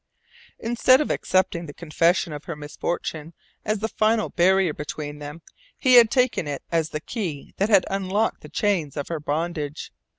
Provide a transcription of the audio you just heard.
Instead of accepting the confession of her misfortune as the final barrier between them, he had taken it as the key that had unlocked the chains of her bondage.